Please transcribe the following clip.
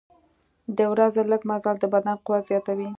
د ورځې لږ مزل د بدن قوت زیاتوي.